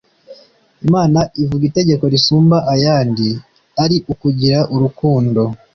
imana ivuga itegeko risumba ayandi ari ukugira urukundo